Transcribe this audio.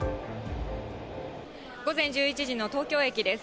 午前１１時の東京駅です。